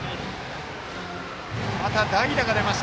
また代打が出ました。